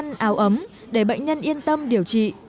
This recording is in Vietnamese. bệnh viện đều có các bệnh nhân áo ấm để bệnh nhân yên tâm điều trị